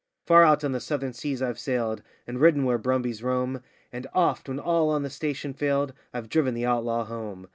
Far out on the southern seas I've sailed, and ridden where brumbies roam, And oft, when all on the station failed, I've driven the outlaw home.